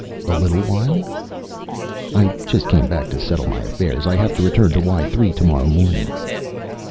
"A little while?" "I just came back to settle my affairs. I have to return to Y 3 tomorrow morning."